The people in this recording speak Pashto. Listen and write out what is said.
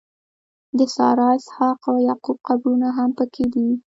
د سارا، اسحاق او یعقوب قبرونه هم په کې دي.